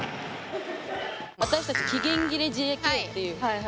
私たち期限切れＪＫっていう。